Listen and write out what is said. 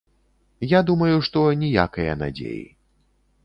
Я думаю, што ніякае надзеі.